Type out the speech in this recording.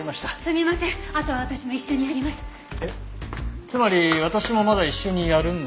つまり私もまだ一緒にやるんですね？